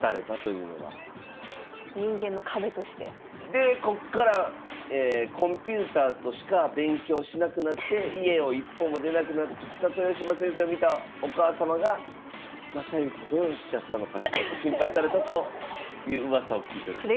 でこっからコンピュータとしか勉強しなくなって家を一歩も出なくなった豊島先生を見たお母様が「将之どうしちゃったのかしら」と心配されたといううわさを聞いております。